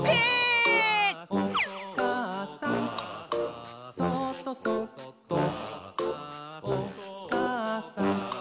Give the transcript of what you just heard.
「おかあさんそーっとそっとおかあさん」